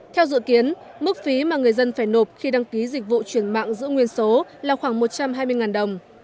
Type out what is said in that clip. theo dự kiến mức phí mà người dân phải nộp khi đăng ký dịch vụ chuyển mạng giữ nguyên số là khoảng một trăm hai mươi đồng